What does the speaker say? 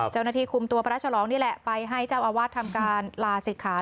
เจ้าหน้าที่คุมตัวพระฉลองนี่แหละไปให้เจ้าอาวาสทำการลาศิกขา